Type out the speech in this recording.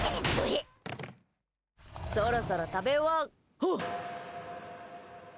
そろそろ食べ終わはっ！